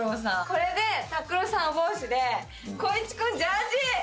これで拓郎さんお帽子で光一君ジャージー！